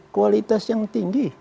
kualitas yang tinggi